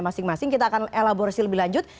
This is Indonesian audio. masing masing kita akan elaborasi lebih lanjut